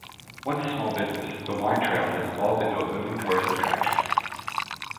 Once a small business, the wine trail has evolved into a booming tourist attraction.